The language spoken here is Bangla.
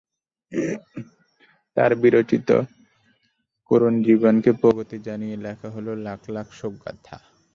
তাঁর বীরোচিত করুণ জীবনকে প্রণতি জানিয়ে লেখা হলো লাখ লাখ শোকগাথা।